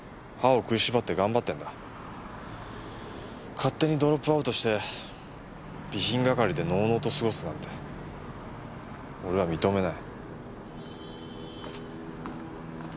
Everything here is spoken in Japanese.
勝手にドロップアウトして備品係でのうのうと過ごすなんて俺は認めない。